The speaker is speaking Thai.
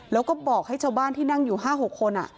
แล้วก็บอกให้ชาวบ้านที่นั่งอยู่๕๖คน